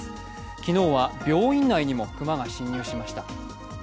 昨日は病院内にも熊が侵入しました。